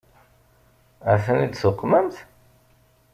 Ad ten-id-tuqmemt?